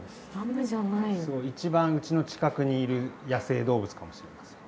一番うちの近くにいる野生動物かもしれません。